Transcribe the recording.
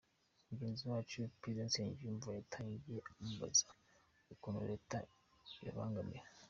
Mugenzi wacu Prudent Nsengiyumva yatangiye amubaza ukuntu leta ibabangamira.